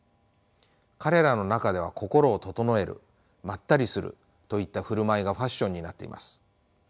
彼らの中では心を整えるまったりするといった振る舞いがファッションになっています。